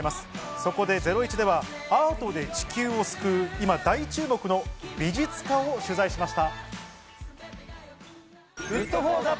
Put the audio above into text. そこで『ゼロイチ』では、アートで地球を救う、今大注目の美術家を取材しました。